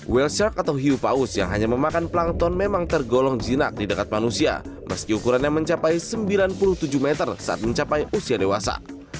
well shark atau hiu paus yang hanya memakan plankton memang tergolong jinak di dekat manusia meski ukurannya mencapai sembilan puluh tujuh meter saat mencapai usia dewasa